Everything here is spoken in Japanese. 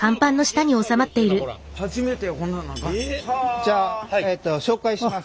じゃあ紹介します。